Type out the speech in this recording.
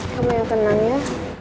kamu yang tenang ya